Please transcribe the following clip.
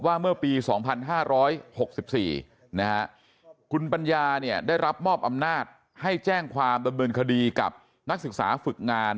เมื่อปี๒๕๖๔คุณปัญญาเนี่ยได้รับมอบอำนาจให้แจ้งความดำเนินคดีกับนักศึกษาฝึกงาน